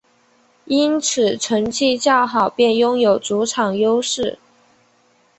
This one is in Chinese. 因此成绩较好便拥有主场优势。